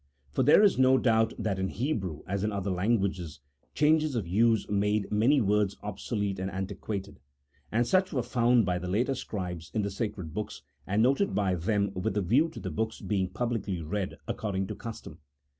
For there is no doubt that in Hebrew as in other languages, changes of use made many words obsolete and antiquated, and such were found by the later scribes in the sacred books and noted by them with a view to the books being publicly read according to custom.